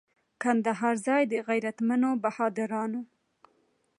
کندهار ځای د غیرتمنو بهادرانو.